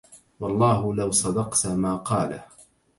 والله لو صدقت ما قاله